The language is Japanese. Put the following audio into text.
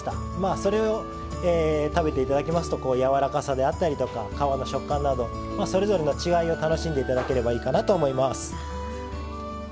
それを食べていただいたら皮のやわらかさや皮の食感など、それぞれの違いを楽しんでいただければいいかなと思います。